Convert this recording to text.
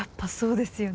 ですよね！